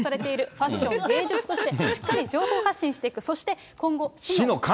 ファッション、芸術としてしっかり情報発信していく、そして今後。